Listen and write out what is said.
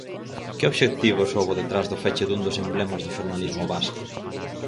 Que obxectivos houbo detrás do feche dun dos emblemas do xornalismo vasco?